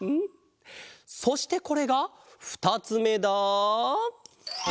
そしてこれがふたつめだ。